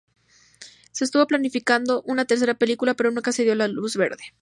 Se estuvo planificando una tercera película, pero nunca se dio luz verde.